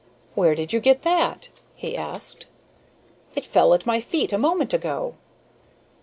"Where did you get that?" he asked. "It fell at my feet a moment ago."